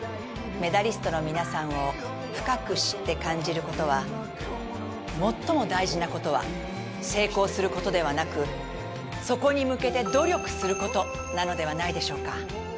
メダリストの皆さんを深く知って感じる事は最も大事な事は成功する事ではなくそこに向けて努力する事なのではないでしょうか。